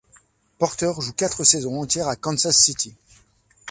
Porter joue quatre saisons entières à Kansas City.